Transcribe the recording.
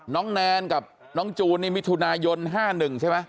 แนนกับน้องจูนนี่มิถุนายน๕๑ใช่ไหม